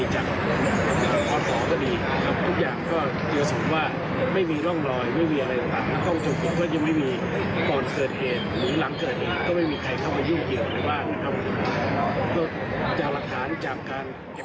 หรือว่าจะหลักฐานจากการ